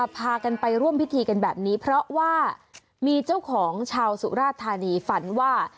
พากันไปร่วมพิธีกันแบบนี้เพราะว่ามีเจ้าของชาวสุราธานีฝันว่า